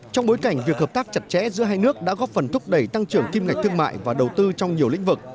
trong bối cảnh việc hợp tác chặt chẽ giữa hai nước đã góp phần thúc đẩy tăng trưởng kim ngạch thương mại và đầu tư trong nhiều lĩnh vực